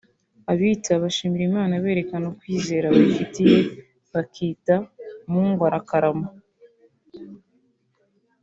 ” Abita bashimira Imana berekana ukwizera bayifitiye bakita “Mungwarakarama